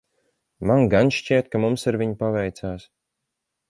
Man gan šķiet, ka mums ar viņu paveicās.